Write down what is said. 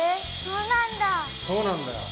そうなんだよ。